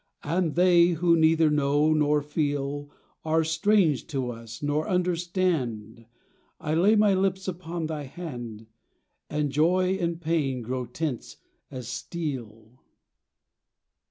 60 THE END " And they, who neither know nor feel, Are strange to us nor understand I lay my lips upon thy hand And joy and pain grow tense as steel.